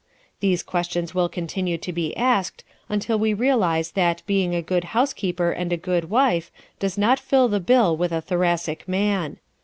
These questions will continue to be asked until we realize that being "a good housekeeper and a good wife" does not fill the bill with a Thoracic man.